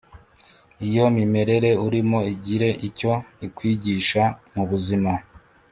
iyo mimerere urimo igire icyo ikwigisha mu buzima